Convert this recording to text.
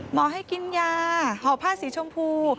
หมอให้กินยาห่อผ้าสีชมพู